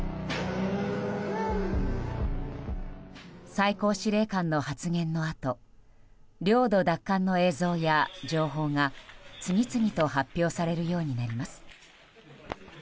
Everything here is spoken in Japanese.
最高司令官の発言のあと領土奪還の映像や情報が次々と発表されるようになります。